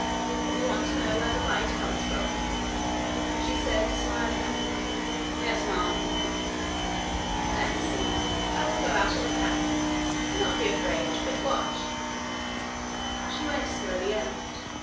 'You want to know where the light comes from?' she said, smiling. 'Yes, ma'am.' 'Then see: I will go out of the cavern. Do not be afraid, but watch.' She went slowly out.